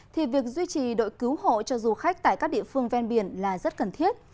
thì việc duy trì đội cứu hộ cho du khách tại các địa phương ven biển là rất cần thiết